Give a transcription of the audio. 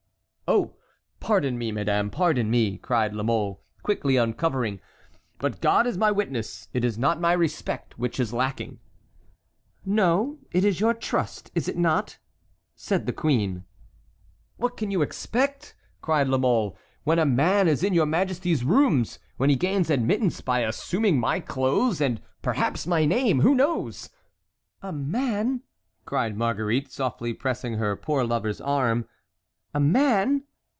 "Oh! pardon me, madame, pardon me!" cried La Mole, quickly uncovering; "but God is my witness, it is not my respect which is lacking." "No, it is your trust, is it not?" said the queen. "What can you expect?" cried La Mole, "when a man is in your majesty's rooms; when he gains admittance by assuming my clothes, and perhaps my name, who knows"— "A man!" cried Marguerite, softly pressing her poor lover's arm; "a man!